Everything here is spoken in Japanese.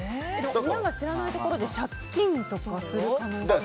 親が知らないところで借金とかする可能性も。